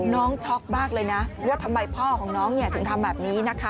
ช็อกมากเลยนะว่าทำไมพ่อของน้องถึงทำแบบนี้นะคะ